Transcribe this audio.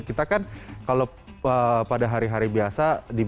kalau pada hari hari biasa